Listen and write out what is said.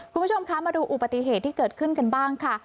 คุณผู้ชมคะมาดูอุปติเหตุที่เกิดขึ้นกันบ้างค่ะ